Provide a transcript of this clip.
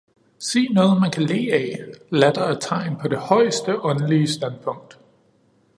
"Sig noget, man kan le af! Latter er tegn på det højeste åndelige standpunkt.